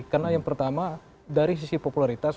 karena yang pertama dari sisi popularitas